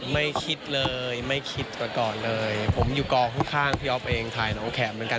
ไม่คิดเลยไม่คิดก่อนเลยผมอยู่กองข้างพี่อ๊อฟเองถ่ายน้องแขมเหมือนกัน